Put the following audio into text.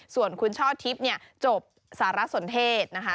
ส่วนคุณชอบทิพย์จบสารสนเทศนะคะ